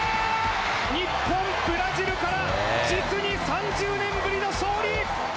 日本、ブラジルから実に３０年ぶりの勝利。